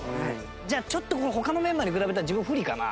じゃあちょっとこの他のメンバーに比べたら自分不利かな？